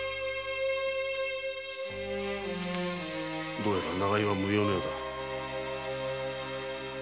どうやら長居は無用のようだ。